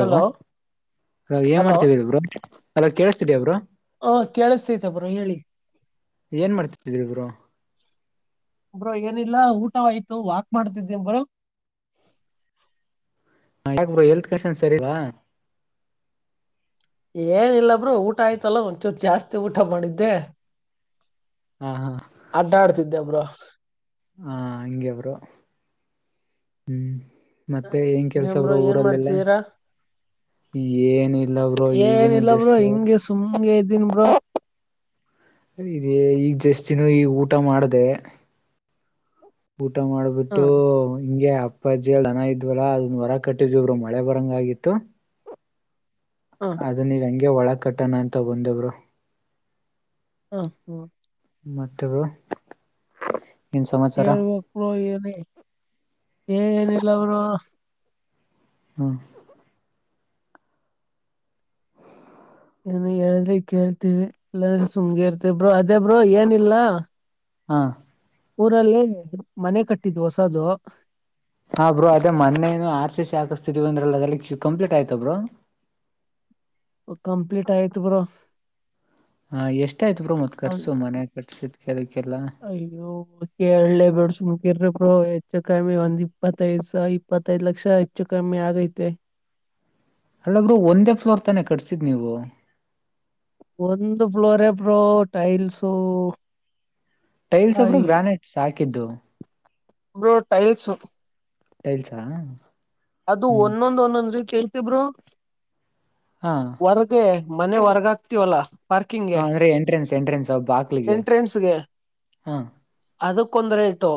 Hello ಹ ಏನ್ hello ಮಾಡ್ತಿದೀಯಾ ಬ್ರೋ ಅಲ್ಲ ಕೆಳಸ್ತಿದೆಯಾ ಬ್ರೋ? ಹ ಕೇಳಸ್ತೈತ ಬ್ರೋ ಹೇಳಿ. ಏನ್ ಮಾಡ್ತಿದ್ದಿರಿ ಬ್ರೋ. ಬ್ರೋ ಏನಿಲ್ಲ ಊಟಆಯ್ತು ವಾಕ್ ಮಾಡ್ತಿದೀನಿ ಬ್ರೋ. ಹಂಗ ಯಾಕ್ ಬ್ರೋ ಹೆಲ್ತ್ ಕಂಡೀಷನ್ ಸರಿ ಇಲ್ಲವಾ? ಏನಿಲ್ಲ ಬ್ರೋ ಊಟ ಆಯ್ತಲ್ಲ ಒಂಚೂರ್ ಜಾಸ್ತಿ ಊಟ ಮಾಡಿದ್ದೆ. ಹಾ ಹಾ ಅಡ್ಡ ಆಡ್ತಿದ್ದೆ ಬ್ರೋ. ಹಾ ಹಂಗೆ ಬ್ರೋ ಹ್ಮ್. ಮತ್ತೆ ಏನ್ ಇನ್ನೇನ್ ಕೆಲ್ಸ ಬ್ರೋ ಏನ್ ಊರಲ್ಲೆಲ್ಲ. ಮಾಡ್ತಿದೀರಾ ಏನು ಇಲ್ಲ ಬ್ರೋ ಈಗಿನು ಜಸ್ಟ್ ದಿನ ಬ್ರೋ. ಇದೇ ಈಗ ಜಸ್ಟ್ ಇನ್ನೂ ಈಗ್ ಊಟ ಮಾಡ್ದೇ. ಊಟ ಹ ಮಾಡ್ಬಿಟ್ಟು ಹಿಂಗೆ ಅಪ್ಪಜ್ಜಿಯಲ್ ದನ ಇದ್ವಲ್ಲ ಅದನ್ನ ಕಟ್ಟಿದ್ರೂ ಬ್ರೋ ಮಳೆ ಬರಂಗ ಆಗಿತ್ತು. ಹ ಅದನ್ನ ಈಗ್ ಹಂಗೆ ಒಳಗ್ ಕಟ್ಟಣ ಅಂತ ಬಂದೆ ಬ್ರೋ. ಹ ಹಾ ಮತ್ತ ಬ್ರೋ. ಏನ್ ಸಮಾಚಾರ ಹೇಳ್ಬೇಕ ಬ್ರೋ ಏನಿ ಏ ಏನಿಲ್ಲ ಬ್ರೋ. ಹಂ. ಏನೋ ಹೇಳಿದ್ರಿ ಕೇಳ್ತೇವಿ ಇಲ್ಗೆ ಸುಮ್ಮ್ನೆ ಇರ್ತೀವ ಬ್ರೋ ಅದೇ ಬ್ರೋ ಏನಿಲ್ಲ ಹಾ ಊರಲ್ಲಿ ಮನೆ ಕಟ್ಟಿದ್ ಹೊಸದುು ಹಾ ಬ್ರೋ ಅದೇ ಮೊನ್ನೇನು ಆರ್ ಸಿ ಸಿ ಹಾಕಸ್ತಿತಿದೀವಿ ಅಂದ್ರಲ್ಲ ಅದ ಎಲ್ಲಿ ಕಂಪ್ಲೀಟ್ ಆಯ್ತ ಬ್ರೋ. ಕಂಪ್ಲೀಟ್ ಆಯ್ತು ಬ್ರೋ. ಹಾ ಎಷ್ಟ ಆಯ್ತು ಬ್ರೋ ಮತ್ ಅದ ಖರ್ಚು ಮನೆ ಕಟ್ಸಿದ್ಕೆ ಅದಕ್ಕೆಲ್ಲ ಅಯ್ಯೋ ಕೆಳ್ಳೆ ಬ್ಯಾಡ್ ಸೂಮ್ ಸುಮ್ಮಕಿರಿ ಬ್ರೋ ಹೆಚ್ಚು ಕಮ್ಮಿ ಒಂದ್ ಇಪ್ಪತ್ತೈದು ಸ ಇಪ್ಪತ್ತೈದ್ ಲಕ್ಷ ಹೆಚ್ಚು ಕಮ್ಮಿ ಆಗೈತೆ. [inaudible] ಅಲ್ಲ ಬ್ರೋ ಒಂದೇ ಫ್ಲೋರ್ ತಾನೇ ಕಟ್ಸಿದ್ ನೀವು. ಒಂದು ಫ್ಲೋರೆ ಬ್ರೋ ಟೈಲ್ಸು ಟೈಲ್ಸ್ ಒಬ್ರು ಅಯ್ ಗ್ರಾನೈಟ್ಸ್ ಹಾಕಿದ್ದು. Bro tiles. ಟೈಲ್ಸಾ. ಅದು ಹ್ಮ್ ಒಂದೊಂದ್ ಒಂದೊಂದ್ರಿ ಕೇಳ್ತ ಬ್ರೋ ಹಾ ಹೊರಗೆ. ಮನೆ ಹೊರಗ ಹಾಕ್ತಿವಲ್ಲಾ. ಹಾ ಅಂದ್ರೆ ಎಂಟ್ರೆನ್ಸ್ ಎಂಟ್ರೆನ್ಸ್ ಬ್ಬ ಬಾಕ್ಲಿಗೆ ಹಾ. ಅದಕ್ಕೊಂದ ರೇಟು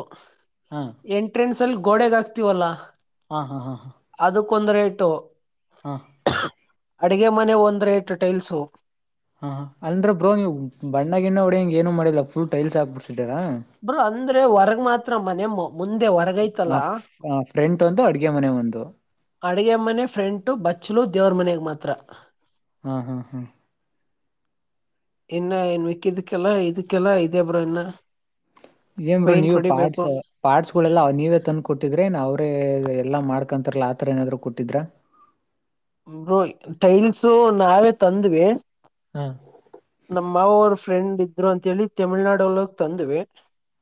ಹಾ ಎಂಟ್ರೆನ್ಸ್ ಅಲ್ಲಿ ಗೋಡೆಗ ಹಾಕ್ತಿವಲ್ಲಾ ಹಾ ಹಾ ಹಾ ಹಾ. ಕೊಂದ ರೆಟ್ಟು. ಹಾ ಅಡಗೆ ಮನೆಗ್ ಒಂದ ರೇಟು ಟೈಲ್ಸು. ಹಾ ಹಾ ಅಂದ್ರೆ ಬ್ರೋ ನೀವು ಬಣ್ಣ ಗಿಣ್ಣ ಹೊಡ್ಯಾಂಗ್ ಏನು ಮಾಡಿಲ್ಲ ಫುಲ ಟೈಲ್ಸ್ ಹಾಕ್ಬಿಡ್ ಬ್ರೋ ಅಂದ್ರೆ ಹೊರಗ ಮಾತ್ರ ಮನೆ ಮು ಮುಂದೆ ಹೊರಗೈತಲ್ಲ. ಫ್ರಂಟ್ ಒಂದು ಅಡ್ಗೆ ಮನೆ ಒಂದು ಅಡಗೆಮ್ಮನೆ ಫ್ರೆಂಟು ಬಚ್ಚಲು ದೇವ್ರ ಮನೆಗೆ ಮಾತ್ರ. ಹಾ ಹಾ ಹಾ. ಇನ್ನ ಏನ್ ಮಿಕ್ಕಿದಕ್ಕೆಲ್ಲ ಇದಕ್ಕೆಲ್ಲ ಇದೆ ಬ್ರೋ ಇನ್ನ. ಏನ್ ಬ್ರೋ ಪೈಂಟ್ ನೀವ್ ಹೊಡಿಬೇಕು ಪಾರ್ಟ್ಸ್ ಪಾರ್ಟ್ಸ್ ಗಳೆಲ್ಲ ನೀವೇ ತಂದ ಕೊಟ್ಟಿದ್ರಿ ಏನ್ ಅವ್ರ ರಿ ಎಲ್ಲಾ ಮಾಡ್ಕೊಂತಾರಲ್ಲ ಆತರ ಏನಾದ್ರು ಕೊಟ್ಟಿದ್ರ. [unintelligible] ಟೈಲ್ಸು ನಾವೇ ತಂದ್ವಿ. ಹಾ ನಮ ಮಾವ ಅವ್ರ ಫ್ರೆಂಡ್ ಇದ್ರು ಅಂತೇಳಿ ತಮಿಳ್ನಾಡಲ್ಲೋಗ ತಂದ್ವಿ.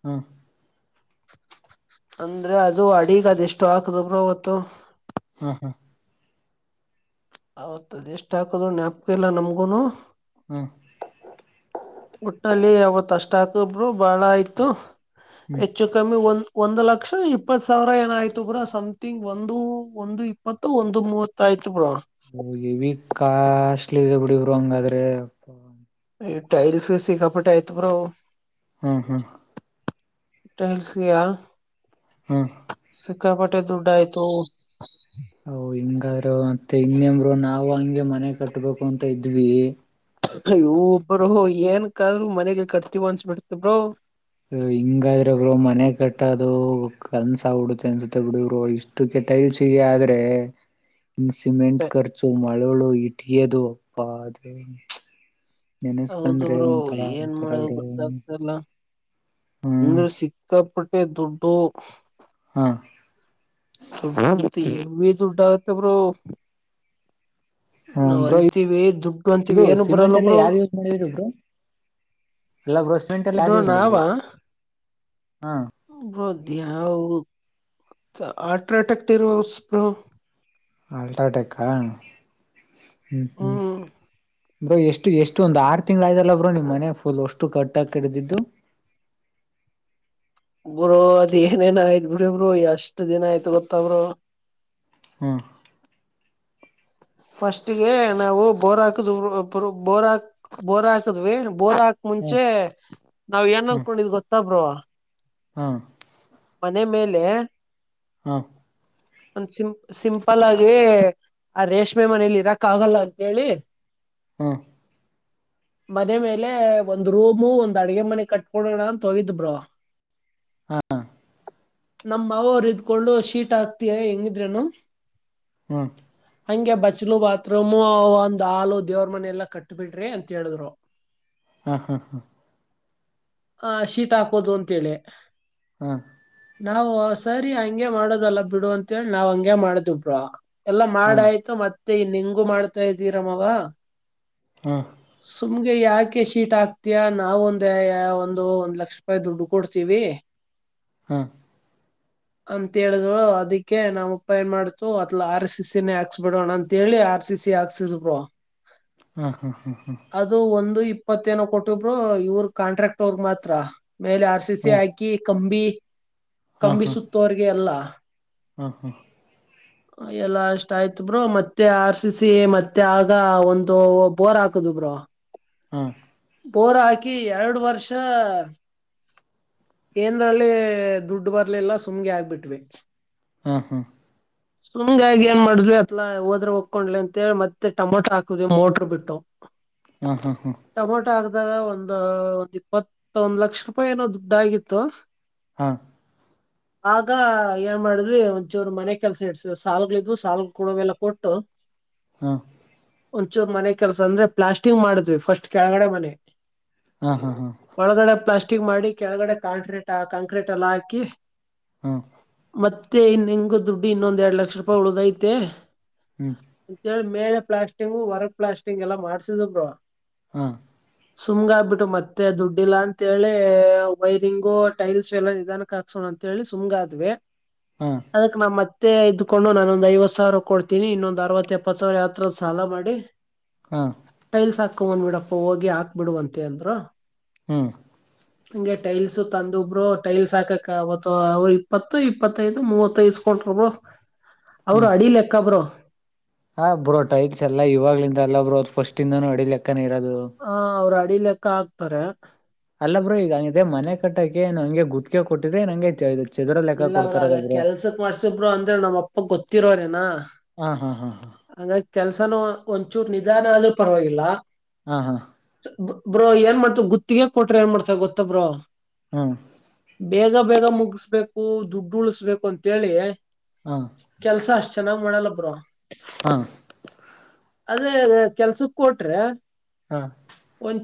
ಹಾ ಅಂದ್ರೆ ಅದು ಅಡಿಗ ಅದೆಷ್ಟು ಹಾಕ್ದ ಬ್ರೋ ಅವತ್ತು. ಹಾ ಹಾ ಅವತ್ತ ಅದ ಎಷ್ಟ ಹಾಕದ್ ನ್ಯಾಪ್ಕಾ ಇಲ್ಲ ನಮ್ಗುನೂ. ಹ್ಮ್ ಒಟ್ಟಲ್ಲಿ ಅವತ್ ಅಷ್ಟ ಹಾಕ್ದ ಬ್ರೋ ಬಾಳ ಆಯ್ತು ಹ್ಮ್ ಹೆಚ್ಚು ಕಮ್ಮಿ ಒಂದ ಒಂದು ಲಕ್ಷ ಇಪ್ಪತ್ತು ಸಾವಿರ ಏನಾಯ್ತು ಬ್ರೋ ಸಮ್ಥಂಗ್ ಒಂದು ಒಂದು ಇಪ್ಪತ್ತು ಒಂದು ಮೂವತ್ತಾಯ್ತು. ಹೇವಿ ಕಾಷ್ಟಟ್ಲಿ ಇದೆ ಬಿಡಿ ಬ್ರೋ ಹಂಗಾದ್ರೇ. ಈ ಟೈಲ್ಸ್ ಸಿಕ್ಕ ಪಟ್ಟೆ ಆಯ್ತು ಬ್ರೋ. ಹ್ಮ್ ಹಾ. ಟೈಲ್ಸೆಗೆಯ. ಹಾ. ಸಿಕ್ಕಾಪಟ್ಟೆ ದುಡ್ಡ ಆಯ್ತು. ಹ್ ಹಿಂಗಾದ್ರು ಮತ್ತೆ ಇನ್ನೇನ್ ಬ್ರೋ ನಾವು ಹಂಗೆ ಮನೆ ಕಟ್ಬೇಕು ಅಂತ ಇದ್ವಿ. ಅಯ್ಯೋ ಬ್ರೋ ಏನಕಾದ್ರರು ಮನೆಗೆ ಕಟ್ತಿವ ಅನ್ಸಬಿಡ್ತಬ್ರೋ. ಹಿಂಗಾದ್ರ ಬ್ರೋ ಮನೆ ಕಟ್ಟದು ಕಲ್ಸ ಉಡುತ್ತೆ ಅನ್ಸುತ್ತೆ ಬಿಡರು ಇಷ್ಟು ಕೆಟ್ಟ. ಟೈಲ್ಸಿಗೆ ಆದ್ರೆ. ಸಿಮೆಂಟ್ ಖರ್ಚು ಮಳೋಳು ಇಟ್ಟಿಗೆದು ಅಪ್ಪ ದೇವ್ರೆ. ಹೌದು ನೆನಸ್ಕಂದ್ರೆ ಬ್ರೋ ಒಂಥರ ಏನ್ ಆತರ ಬ್ರೋ. ಹೂ ಹ್ಮ್ ಸಿಕ್ಕಾಪಟ್ಟೆ ದುಡ್ಡು. ಹಾ. [unintelligible] ಹೇವಿ ದುಡ್ಡು ಆಗುತ್ತೆ ಬ್ರೋ. ಹ್ಮ ನಾವ್ ಬ್ರೋ ಅಂತೀವಿ ದುಡ್ಡು ಅಂತೀವಿ ಇದು ಏನು ಸಿಮೆಂಟ್ ಬರಲ್ಲ ಎಲ್ಲ ಬ್ರೋ ಯಾರು ಯೂಸ್ ಮಾಡರು ಬ್ರೋ. ಇಲ್ಲ ಬ್ರೋ ಸೀಮೆಟಲ್ಲ ಬ್ರೋ ಯಾವುದು ಯುಸ್ ಮಾಡಿದ್ರಿ. ಹಾ ಹಾ. ದ್ಯಾವ ಆರ್ಟ್ಟ್ಯಾಕ್ ಇರುವ ಉಸ್ ಬ್ರೋ. [unintelligible] ಅಲ್ಟ್ರಾಟೆಕ್ ಹಾ ಹ್ಮ್ ಹ್ಮ್ ಬ್ರೋ ಎಷ್ಟು ಎಷ್ಟು ಒಂದ್ ಆರು ತಿಂಗ್ಗಳ ಆಯತಲ್ಲ ಬ್ರೋ ನಿಮ್ ಮನೆ ಫುಲ್ ಅಷ್ಟು ಕಟ್ಟಕ ಕಡ್ದಿದ್ದು. [inaudible] ಬ್ರೋ ಅದ್ ಏನೇನ ಆಯ್ತ್ ಬುರಬರು ಎಷ್ಟ್ ದಿನ ಆಯ್ತ ಗೊತ್ತ ಬ್ರೋ. ಹೂಂ. ಫಸ್ಟ್ಗೆ ನಾವು ಬೋರ್ ಹಾಕದ ಬೋರ್ ಹಾಕ್ ಬೋರ ಹಾಕದ್ವಿ. ಬೋರ್ ಹಾಕ್ ಹ್ಮ್ ಮುಂಚೆ ನಾವ್ ಏನ್ನ್ಕೊಂಡಿದ್ ಗೊತ್ತ ಬ್ರೋ. ಹಾ. ಮನೆ ಮೇಲೆ. ಹಾ. ಒಂದ್ ಸಿಂ ಸಿಂಪಲ್ ಆಗಿ. ಆ ರೇಷ್ಮೆ ಮನೇಲಿ ಇರಕ್ ಆಗಲ್ಲ ಅಂತೇಳಿ. ಹ್ಮ. [inaudible] ಮನೆ ಮೇಲೆ ಒಂದ್ ರೂಮು ಒಂದ್ ಅಡ್ಗೆ ಮನೆ ಕಟ್ಕೊಂಡೋಣ ಅಂತ ಹೊಗಿದ್ ಬ್ರೋ. ನಮ್ ಮಾವವ್ರು ಇದ್ಕೊಂಡು ಶೀಟ್ ಹಾಕ್ತಯ ಹೆಂಗಿದ್ರೇನು. ಹ್ಮ. ಹಂಗೆ ಬಚ್ಲು ಬಾತ್ರೂಮು ಒಂದ್ ಹಾಲು ದೇವ್ರ ಮನೆ ಎಲ್ಲಾ ಕಟ್ಟ ಬಿಡ್ರಿ ಅಂತ ಹೇಳಿದ್ರು. ಹಾ ಹಾ ಹಾ. ಹ ಶೀಟ್ ಹಾಕೋದು ಅಂತೇಳಿ. ನಾವು ಸರಿ ಹಂಗೆ ಮಾಡೋದಲ್ಲ ಬಿಡು ಅಂತೇಳಿ ನಾವ್ ಹಂಗೆ ಮಾಡ್ದು ಬ್ರೋ. ಎಲ್ಲಾ ಮಾಡಾಯ್ತು ಮತ್ತೆ ನಿಂಗು ಮಾಡ್ತಾ ಇದ್ದೀರ ಮಾವ. ಸುಮಗೆ ಯಾಕೆ. ಶೀಟ್ ಆಕ್ತಯಾ ನಾವ ಒಂದ ಒಂದು ಒಂದ್ ಲಕ್ಷ ರೂಪಾಯಿ ದುಡ್ಡು ಕೊಡ್ತೀವಿ. ಹಾ. [inaudible] ಅಂತ ಹೇಳಿದ್ರು ಅದಕ್ಕೆ ನಮ್ ಅಪ್ಪ ಎನ್ ಮಾಡ್ತು ಅದಲ ಆರ್ ಸಿ ಸಿನೇ ಹಾಕ್ಸ್ ಬಿಡೋಣ ಅಂತೇಳಿ ಆರ್ ಸಿ. ಸಿ ಆಕ್ಸದ್ ಬ್ರೋ. ಹ್ಮ ಹ್ಮ ಹ್ಮ ಹ್ಮ. ಇಪ್ಪತ್ತ ಎನೋ ಕೊಟ್ಟಿವು ಬ್ರೋ ಇವ್ರ ಕಾಂಟ್ರಾಕ್ಟ್ ಅವರ್ ಮಾತ್ರ ಮೇಲೆ ಆರ್ ಸಿ ಸಿ ಹ್ಮ್ ಹ್ಮ್ ಹ್ಮ್ ಹಾಕಿ. ಕಂಬಿ ಕಂಬಿಸುತ್ತೋರಿಗೆ ಎಲ್ಲ ಹಾಂ ಹಂ ಎಲ್ಲ ಅಷ್ಟ ಆಯ್ತ್ ಬ್ರೊ ಮತ್ತೆ ಆರ್ ಸಿ ಸಿ ಮತ್ತೆ ಆಗ ಒಂದು ಬೋರ್ ಹಾಕದ್ ದು ಬ್ರೊ ಹ್ಮ್ ಬೋರ ಹಾಕಿ ಎರಡು ವರ್ಷ ಏಂದ್ರಲ್ಲಿ ದುಡ್ಡು ಬರ್ಲಿಲ್ಲ ಸುಮ್ಗೆ ಆಗ್ಬಿಟ್ವಿ ಹಾ ಹಾ ಸುಂಗ್ಗಾಗಿ ಏನ್ ಮಾಡಿದ್ವಿ ಹೋದ್ರೆ ಒಕ್ಕೊಂಡ್ಲಿ ಅಂತೇಳಿ ಮತ್ತೆ ಟಮೊಟೊ ಹಾಕುದ್ವಿ ಮೋಟರು ಬಿಟ್ಟು ಟೊಮೊಟೊ ಹಾಕ್ದಗ ಒಂದು ಒಂದ್ ಇಪ್ಪತ್ತ ಒಂದ್ ಲಕ್ಷ ರೂಪಾಯಿ ಏನೋ ದುಡ್ಡ ಆಗಿತ್ತು ಹಾ ಆಗ ಏನ್ ಮಾಡಿದ್ವಿ ಒಂಚೂರು ಮನೆ ಕೆಲಸ ಇಡ್ಸ ಸಾಲುಗಳಿದ್ವು ಸಾಲಗಳು ಕೊಡವೆಲ್ಲ ಕೊಟ್ಟು ಹಾ ಒಂಚೂರು ಮನೆ ಕೆಲಸ ಅಂದ್ರೆ ಪ್ಲಾಸ್ಟಿಂಗ್ ಮಾಡಿದ್ವಿ ಫಸ್ಟ್ ಕೆಳಗಡೆ ಮನೆ ಹ್ಮ್ ಹ್ಮ್ ಒಳಗಡೆ ಪ್ಲಾಸ್ಟಿಂಗ್ ಮಾಡಿ ಕೆಳಗಡೆ ಕಾಂಕ್ರೀಟ್ ಕಾಂಕ್ರೀಟ್ ಎಲ್ಲ ಹಾಕಿ ಹ್ಮ ಮತ್ತೆ ಇನ್ ಹೆಂಗು ದುಡ್ಡಿ ಇನ್ನೊಂದ್ ಎರಡ್ ಲಕ್ಷ ರೂಪಾಯಿ ಉಳದ್ ಐತೆ ಹ್ಮ್ ಮೇಲೆ ಪ್ಲಾಸ್ಟಿಂಗ್ ಹೊರಗ ಪ್ಲಾಸ್ಟಿಂಗ ಎಲ್ಲ ಮಾಡ್ಸಿದು ಬ್ರೊ ಹಾ ಸುಮ್ ಆಗ್ಬಿಟ್ಟು ಮತ್ತೆ ದುಡ್ಡಿಲ್ಲಾ ಅಂತೇಳಿ ವೈರಿಂಗು ಟೈಲ್ಸ್ ಎಲ್ಲ ಇದಾನ ಹಾಕ್ಸೋಣ ಅಂತೇಳಿ ಸುಮಗಾದ್ವಿ ಹಾ ಅದಕ್ ನಮ್ ಅತ್ ತ್ತೆ ಇದ್ಕೊಂಡು ನಾನೊಂದ್ ಐವತ್ತು ಸಾವಿರ ಕೊಡ್ತೀನಿ ಇನ್ನೊಂದ್ ಅರ್ವಾತು ಎಪ್ಪತ್ ಸಾವಿರ ಯಾರ್ ಹತ್ರ ಸಾಲ ಮಾಡಿ ಹಾ ಟೈಲ್ಸ್ ಹಾಕೊನ್ ಬಿಡಪ್ಪ ಹೋಗಿ ಹಾಕ್ಬಿಡುವಂತೆ ಅಂದ್ರು ಹ್ಮ್ ಹಂಗೆ ಟೈಲ್ಸ್ ತಂದೊ ಬ್ರೊ ಟೈಲ್ಸ್ ಹಾಕಕ್ ಆಗತ್ತು ಅವರು ಇಪ್ಪತ್ತು ಇಪ್ಪತ್ತೈದು ಮೂವತ್ತು ಇಸ್ಕೊಂಡ್ರ ಬ್ರೊ ಹಾ ಅವರು ಅಡಿ ಲೆಕ್ಕ ಬ್ರೊ ಹಾ ಬ್ರೋ ಟೈಲ್ಸ್ ಎಲ್ಲಾ ಇವಾಗ್ಲಿಂದ ಅಲ್ಲ ಬ್ರೊ ಫಸ್ಟ್ ಇಂದನು ಅಡಿ ಲೆಕ್ಕನ ಇರೋದು ಆ ಅವ್ರ ಅಡಿ ಲೆಕ್ಕ ಹಾಕ್ತಾರೆ ಅಲ್ಲ ಬ್ರೋ ಈಗಂಗಿದೆ ಮನೆ ಕಟ್ಟಕ್ಕೆ ಹಂಗೆ ಗುತ್ಕ ಕೊಟ್ಟಿದ್ರೆ ನಂಗೆ ಚದರ ಲೆಕ್ಕ ಇಲ್ಲ ಬ್ರೊ ಅದ ಕೊಡ್ತಾರಲ್ಲ ಬ್ರೋ ಕೆಲ್ಸಕ್ ಮಾಡ್ಸಬ್ರು ಅಂದ್ರೆ ನಮ್ಮ್ ಅಪ್ಪ ಗೊತ್ತಿರೋರೇನಾ ಹಾ ಹಾ ಹಾ ಹಂಗಾಗಿ ಕೆಲ್ಸನೂ ಒಂಚೂರು ನಿಧಾನ ಆದ್ರೂ ಪರವಾಗಿಲ್ಲ ಹಾ ಹಾ ಬ್ರೋ ಏನ್ ಮಾಡ್ತ ಗುತ್ತಿಗೆ ಕೊಟ್ರ ಏನ್ ಮಾಡ್ತ ಗೊತ್ತ ಬ್ರೋ ಹಾ ಬೇಗ ಬೇಗ ಮುಗಿಸ್ಬೇಕು ದುಡ್ಡು ಉಳಿಸಬೇಕು ಅಂತೇಳಿ ಹಾ ಕೆಲ್ಸ ಅಷ್ಟ್ ಚೆನ್ನಾಗಿ ಮಾಡಲ್ಲ ಬ್ರೊ ಹಾ ಅದೇ ಅದೇ ಕೆಲ್ಸಕ್ ಕೊಟ್ರೆ ಹಾ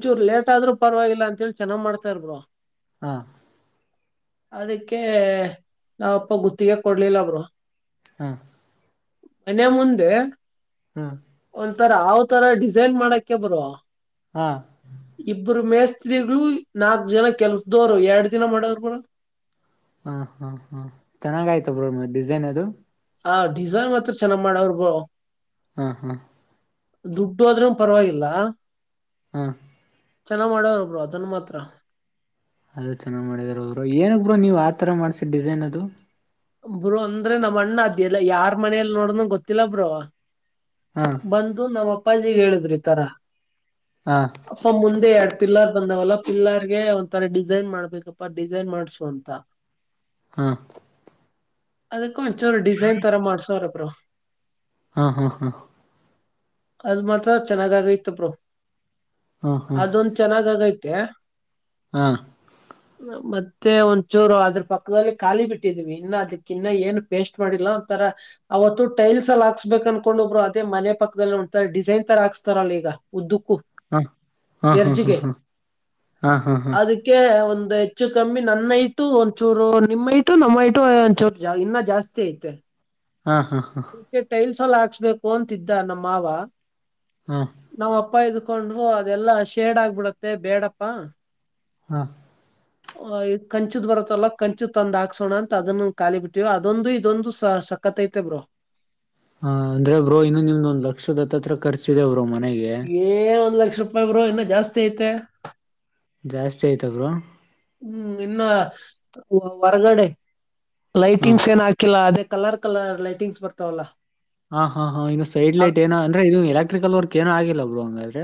ಒಂಚೂರ್ ಲೇಟ್ ಆದ್ರೂ ಪರವಾಗಿಲ್ಲ ಅಂತೇಳಿ ಚನ್ನಾಗ್ ಮಾಡ್ತಾರ್ ಬ್ರೊ ಹಾ ಅದಕ್ಕೆ ನಮ್ಮಪ್ಪ ಗುತ್ತಿಗೆ ಕೊಡ್ಲಿಲ್ಲ ಬ್ರೊ ಹಾ ಮನೆ ಮುಂದೆ ಹ್ಮ ತರ ಹಾವು ತರ ಡಿಸೈನ್ ಮಾಡಕ್ಕೆ ಬ್ರೊ ಹಾ ಇಬ್ಬರು ಮೇಸ್ತ್ರಿಗಳು ನಾಕ್ ಜನ ಕೆಲ್ಸದವರು ಎರಡ್ ದಿನ ಮಾಡೋರ ಬಡ ಹ ಹಾ ಹಾ ಚೆನ್ನಾಗ ಆಯ್ತ ಬ್ರ ಮ ಡಿಸೈನ್ ಅದು ಹ ಡಿಸೈನ್ ಹತ್ರ ಚೆನ್ನಾಗ್ ಮಾಡವ್ರ ಬ ಹಾ ಹ್ಮ ದುಡ್ಡು ಆದ್ರೂ ಪರವಾಗಿಲ್ಲ ಹಾ ಚೆನ್ನಾಗ ಮಾಡೋರೊಬ್ರು ಅದನ್ ಮಾತ್ರ ಅದ ಚೆನ್ನಾಗ್ ಮಾಡಿದಾರಬರು ಎನಕ್ಬ್ರೋ ನೀವ್ ಆತರ ಮಾಡ್ಸಿದ ಡಿಸೈನ್ ಅದು ಬ್ರೋ ಅಂದ್ರೆ ನಮ್ಮ ಅಣ್ಣ ಅದಲ್ಲ ಯಾರ್ ಮನಲ್ ನೋಡಣಂಗ ಗೊತ್ತಿಲ್ಲ ಬ್ರೋ ಹಾ ಬಂದು ನಮ್ಮಪ್ಪಜಿಗೆ ಹೇಳಿದ್ರಿ ತರ ಹಾ ಅಪ್ಪ ಮುಂದೆ ಅಡ್ತಿಲ್ಲ ಬಂದವಲ್ಲ ಪಿಲ್ಲರ್ಗೆ ಒಂಥರ ಡಿಸೈನ್ ಮಾಡ್ಬೇಕಪ್ಪ ಡಿಸೈನ್ ಮಾಡ್ಸು ಅಂತ ಹಾ ಅದಕ್ಕ ಒಂಚರು ಡಿಸೈನ್ ತರ ಮಾಡ್ಸೋರ ಬ್ರೋ ಹಾ ಹಾ ಹಾ ಅದ ಮಾತ್ರ ಚೆನ್ನಾಗ ಆಗೈತ ಬೋ ಹಾ ಹಾ ಅದೊಂದ ಚೆನ್ನಾಗ್ ಆಗೈತ್ ತ್ಯ ಹಾ ಮತ್ತೆ ಒಂದ್ಚೂರು ಅದ್ರ ಪಕ್ಕದಲ್ಲಿ ಖಾಲಿ ಬಿಟ್ಟ ದೀವಿ ಇನ್ನು ಅದಕ್ಕ ಇನ್ನ ಏನ್ ಪೇಸ್ಟ್ ಮಾಡಿಲ್ಲ ಒಂತರ ಅವತ್ತು ಟೈಲ್ಸ್ ಅಲ್ಲಿ ಹಾಕ್ಸ್ಬೇಕು ಅನ್ಕೊಂಡ್ ಒಬ್ಬರು ಅದೇ ಮನೆ ಪಕ್ಕದಲ್ಲಿ ಉಂರೆ ಡಿಸೈನ್ ತರ ಹಾಕ್ಸ್ತಾರಲ್ಲ ಈಗ ಉದ್ದು ಹಾ ಹಾ ಎರ್ಜಿಗೆ ಹಾ ಹಾ ಹಾ ಹಾ ಅದಕ್ಕೆ ಒಂದು ಹೆಚ್ಚು ಕಮ್ಮಿ ನನ್ನ ಇಟ್ಟು ಒಂದಚೂರು ನಿಮ್ಮ ಇಟ್ಟು ಇ ನಮ್ಮ ಇಟು ಒಚೋರು ಇನ್ನ ಜಾಸ್ತಿ ಐತೆ ಹಾ ಹಾ ಹಾ ಹಾ ಹಾ ಅದಕ್ಕೆ ಟೈಲ್ಸ್ ಎಲ್ಲ ಹಚ್ಬೇಕು ಅಂತಿದ್ದ ನಮ್ಮ ಮಾವ ಹಾ ನಾವ್ ಅಪ್ಪ ಇದ ಕಕೊಂಡ್ ಅದೆಲ್ಲಾ ಶೇಡ್ ಆಗ್ಬಿಡತ್ತೆ ಬೇಡಪ್ಪಾ ಹಾ ಕಂಚದ್ ಬರತ್ತಲ್ಲ ಕಂಚಿದ ತಂದಾ ಹಸೋಣ ಅಂತ ಅದನ್ನು ಖಾಲಿ ಬಿಟ್ಟಿವವ ಅದೊಂದು ಇದೊಂದು ಸ ಸಕತ ಐತೆ ಬ್ರೋ ಹ ಅಂದ್ರೆ ಬ್ರರು ಇನ್ನು ನಿಮ್ದೊಂದ್ ಲಕ್ಷದತ್ತ ಹತ್ರ ಖರ್ಚಿದೆರು ಮ ಏ ಒಂದ್ ಲಕ್ಷ ರೂಪಾಯಿ ಬ್ರೋ ಇನ್ನು ಜಾಸ್ತಿ ಐತೆ ಜಾಸ್ತಿ ಆಯ್ತವ್ರ ಹ್ಮ್ ಇನ್ನು ಹೊರಗಡೆ ಹಾ ಲೈಟಿಂಗ್ಸ್ ಏನ್ ಹಾಕಿಲ್ಲ ಅದ ಕಲರ್ ಕಲರ್ ಲೈಟಿಂಗ್ಸ್ ಬರ್ತಾವಲ್ಲ ಹಾ ಹಾ ಹಾ ಇನ್ನು ಸೈಡ್ ಅವ್- ಲೈಟ್ ಏನ ಅಂದ್ರೆ ಇದು ಎಲೆಕ್ಟ್ರಿಕಲ್ ವರ್ಕ್ ಏನ ಆಗಿಲ್ಲ ಬ್ರರು ಹಂಗಾದ್ರೆ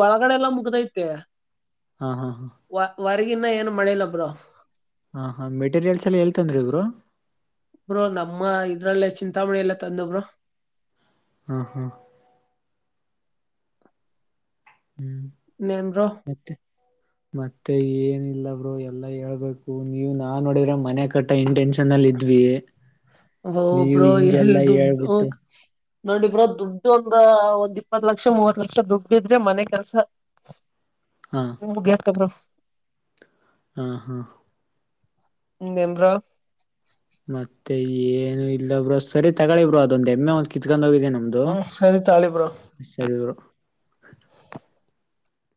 ಒಳಗಡೆ ಎಲ್ಲಾ ಮುಗ್ದೈತೆ ಹಾ ಹಾ ಹಾ ಹೊರಗಿನ ಏನ್ ಮಳೆ ಲಬ್ರ ಹಾ ಹಾ ಮೆಟೀರಿಯಲ್ಸ್ ಎಲ್ಲ ಎಲ್ ತಂದ್ರಿ ಬ್ರೋ ಅ್ರ ನಮ್ಮ ಇದ್ರಲ್ಲೇ ಚಿ ತಾಮಣಿ ಎಲ್ಲ ತಂದಬ್ರ ಹಾ ಹಾ ಹ್ಮ್ ಇನ್ನೇನ್ ಬ್ರೋ ಮತ್ತೆ ಮತ್ತೆ ಏನಿಲ್ಲ ಬರು ಎಲ್ಲಾ ಹೇಳ್ಬೇಕು ನೀವು ನಾ ನೋಡಿದ್ರೆ ಮನೆ ಕಟ್ಟ ಇಂಟೆನ್ನ್ ಚನ್ನಲ್ಲ ಇದ್ವಿ ಓ ನೀವು ಬ್ರೋ ಹಿಗೆಲ್ಲಾ ಹೇಳ್ಬಿಟ್ಟು ನೋಡಿಬ್ರೋ ದುಡ್ಡು ಒಂದ ಒಂದ್ ಇಪ್ಪತ್ ಲಕ್ಷ ಮೂವತ್ ಲಕ್ಷ ದುಡ್ಡು ಇದ್ರೆ ಮನೆ ಕೆಲ್ಸ ಹಾ ಹ ಗ ಕಬ್ರ ಹ ಹಾ ನಂಬ್ರ ಮತ್ತೆ ಏನು ಇಲ್ಲಬ್ರ ಸರಿ ತಗಳಿಬ್ರರು ಅದೊಂದ ಎಮ್ಮೆ ಒಂದ್ ಕಿತ್ಕೊಂಡ್ ಹೋಗಿದ್ದೇನೆ ನಮ್ದು ಹ್ಮ್ ಸರಿ ತಾಳಿ ಬ್ರೋ ಸರಿರು